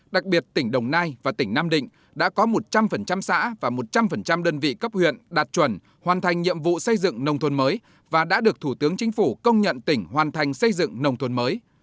đặc biệt tỉnh đồng nai và tỉnh nam định đã có một trăm linh xã và một trăm linh đơn vị cấp huyện đạt chuẩn hoàn thành nhiệm vụ xây dựng nông thôn mới và đã được thủ tướng chính phủ công nhận tỉnh hoàn thành xây dựng nông thôn mới